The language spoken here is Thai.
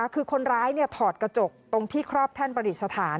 คือคนร้ายถอดกระจกตรงที่ครอบแท่นประดิษฐาน